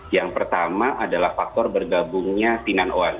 yang pertama adalah faktor bergabungnya sinan oan